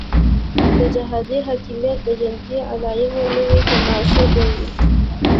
د جهادي حاکمیت د جنتي علایمو نوې تماشه به وي.